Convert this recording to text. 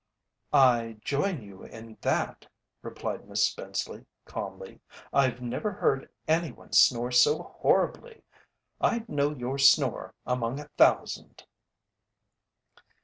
"I join you in that," replied Miss Spenceley, calmly. "I've never heard any one snore so horribly I'd know your snore among a thousand."